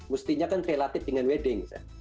mestinya kan relatif dengan weddings ya